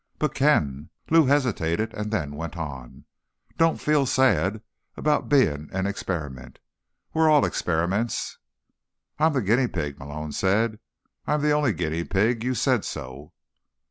"But Ken—" Lou hesitated, and then went on. "Don't feel sad about being an experiment. We're all experiments." "I'm the guinea pig," Malone said. "I'm the only guinea pig. You said so."